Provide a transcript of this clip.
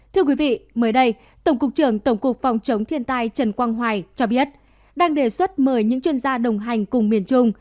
thưa quý vị mới đây tổng cục trưởng tổng cục phòng chống thiên tai trần quang hoài cho biết đang đề xuất mời những chuyên gia đồng hành cùng miền trung